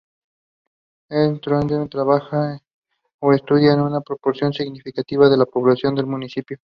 En Trondheim trabaja o estudia una proporción significativa de la población del municipio.